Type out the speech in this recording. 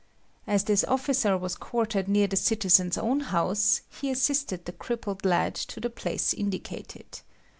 As this officer was quartered near the citizen's own house, he assisted the crippled lad to the place indicated.